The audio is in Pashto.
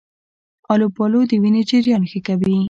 آلوبالو د وینې جریان ښه کوي.